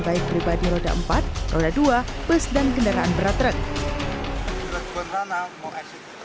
baik pribadi roda empat roda dua bus dan kendaraan beratrek benar benar mau exit